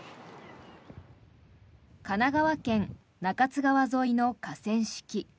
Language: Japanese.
神奈川県・中津川沿いの河川敷。